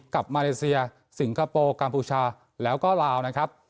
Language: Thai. มาเลเซียสิงคโปร์กัมพูชาแล้วก็ลาวนะครับ